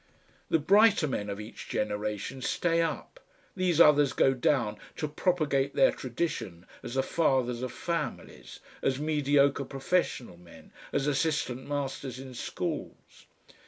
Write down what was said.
The brighter men of each generation stay up; these others go down to propagate their tradition, as the fathers of families, as mediocre professional men, as assistant masters in schools.